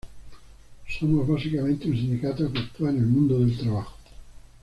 Somos básicamente un sindicato que actúa en el mundo del trabajo.